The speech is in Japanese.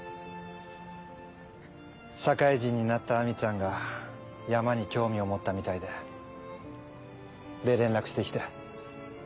社会人になった亜美ちゃんが山に興味を持ったみたいでで連絡して来て。